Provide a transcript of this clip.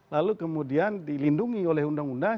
lalu kemudian dilindungi oleh undang undang